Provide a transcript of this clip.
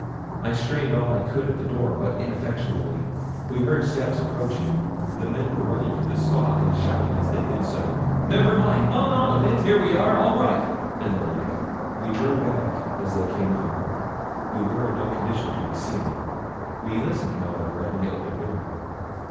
I strained all I could at the door, but ineffectually. We heard steps approaching. The men were running to the spot, and shouting as they did so 'Never mind; hold on a bit; here we are; all right;' and the like. We drew back, as they came up. We were in no condition to be seen. We listened, however, at my open door.